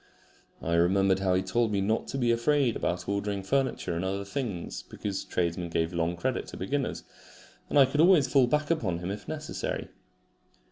I remembered how he had told me not to be afraid about ordering furniture and other things, because tradesmen gave long credit to beginners, and I could always fall back upon him if necessary.